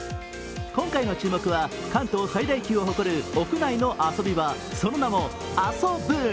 今回の注目は関東最大級を誇る屋内の遊び場、その名もＡＳＯＢｏｏＮ。